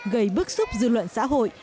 gây bức xúc dư luận xã hội